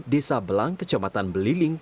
desa belang kecamatan beliling